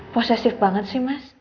posesif banget sih mas